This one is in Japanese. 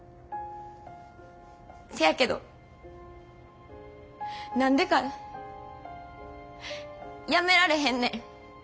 せやけど何でかやめられへんねん。